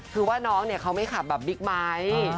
คือว่าน้องเนี่ยเขาไม่ขับแบบบิ๊กไบท์